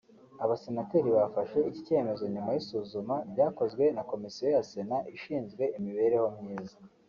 Abasenateri bafashe iki cyemezo nyuma y’isuzuma ryakozwe na Komisiyo ya Sena ishinzwe imibereho myiza